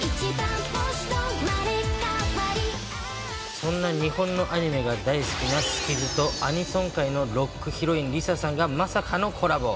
そんな日本のアニメが大好きなスキズとアニソン界のロックヒロイン、ＬｉＳＡさんがまさかのコラボ。